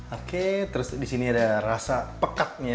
oke terus disini ada rasa pekatnya